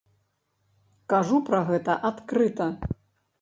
Кажу пра гэта адкрыта.